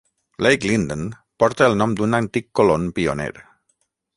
Lake Linden porta el nom d'un antic colon pioner.